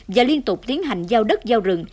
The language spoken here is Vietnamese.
và liên tục tiến hành giao đất giao rừng